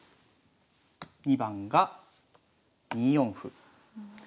２番が２四歩。